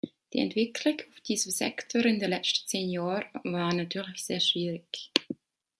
Die Entwicklungen auf diesem Sektor in den letzten zehn Jahren waren natürlich sehr schwierig.